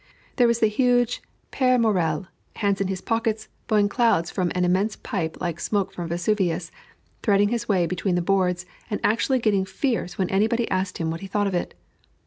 There was the huge "Père Morel," hands in his pockets, blowing clouds from an immense pipe like smoke from Vesuvius, threading his way between the boards and actually getting fierce when anybody asked him what he thought of it.